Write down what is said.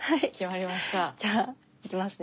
じゃあいきますね。